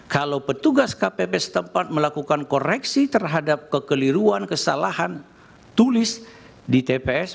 kalau petugas kpp setempat melakukan koreksi terhadap kekeliruan kesalahan tulis di tps